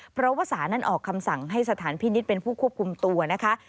เพราะว่าศาลนั้นออกคำสั่งให้สถานพินิษฐ์เป็นผู้ควบคุมตัวนะคะ